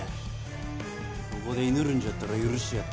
ここでいぬるんじゃったら許してやってもええで。